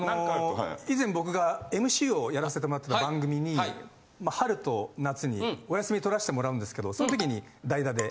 以前僕がＭＣをやらせてもらってた番組に春と夏にお休み取らしてもらうんですけどその時に代打で。